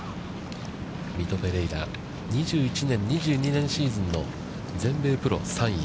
２１年、２２年シーズンの全米プロ３位。